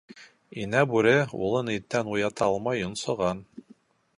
Инә Бүре улын иртән уята алмай йонсоған.